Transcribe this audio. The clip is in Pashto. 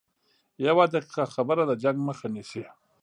یوه دقیقه خبره د جنګ مخه نیسي